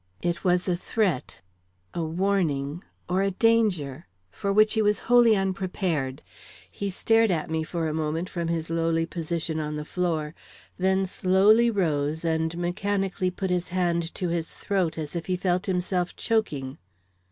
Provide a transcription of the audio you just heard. It was a threat, a warning, or a danger for which he was wholly unprepared. He stared at me for a moment from his lowly position on the floor, then slowly rose and mechanically put his hand to his throat, as if he felt himself choking.